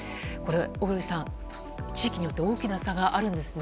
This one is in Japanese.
小栗さん、地域によって大きな差があるんですね。